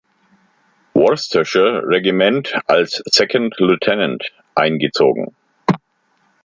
Worcestershire Regiment als „Second Lieutenant“ eingezogen.